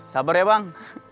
sabar ya bang